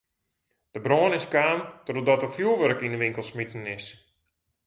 De brân is kaam trochdat der fjoerwurk yn de winkel smiten is.